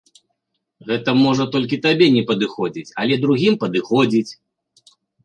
Гэта, можа, толькі табе не падыходзіць, але другім падыходзіць!